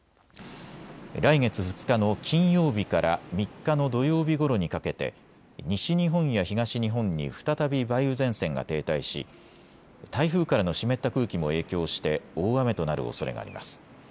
来月２日の金曜日から３日の土曜日ごろにかけて西日本や東日本に再び梅雨前線が停滞し、台風からの湿った空気も影響して大雨となるおそれがあります。